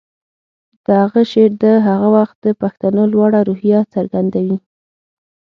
د هغه شعر د هغه وخت د پښتنو لوړه روحیه څرګندوي